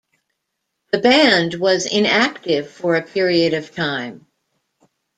The band was inactive for a period of time.